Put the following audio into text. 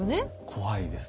怖いですね。